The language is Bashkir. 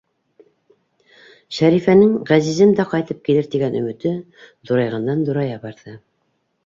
Шәрифәнең «Ғәзизем дә ҡайтып килер» тигән өмөтө ҙурайғандан-ҙурая барҙы.